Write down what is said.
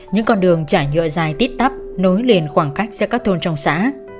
những con đường chả nhựa dài tít tắp nối lên khoảng cách giữa các thôn trong xã